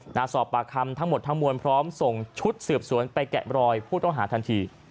หน้าสอบปากคำทั้งหมดทั้งมวลพร้อมส่งชุดสืบสวนไปแกะรอยผู้ต้องหาทันที